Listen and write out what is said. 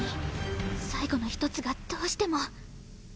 最後の一つがどうしても。